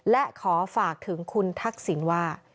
และขอฝากถึงคุณทักษิณว่า